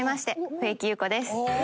笛木優子です。